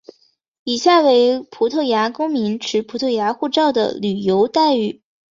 以下为葡萄牙公民持葡萄牙护照的旅游待遇。